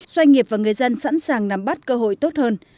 doanh nghiệp và người dân sẵn sàng nắm bắt cơ hội tốt hơn